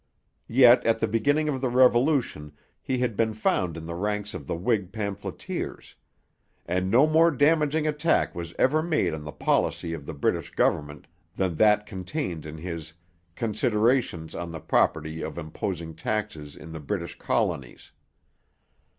Yet at the beginning of the Revolution he had been found in the ranks of the Whig pamphleteers; and no more damaging attack was ever made on the policy of the British government than that contained in his Considerations on the Propriety of Imposing Taxes in the British Colonies.